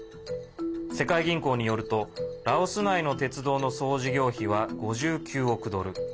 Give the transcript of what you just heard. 世界銀行によると、ラオス内の鉄道の総事業費は５９億ドル。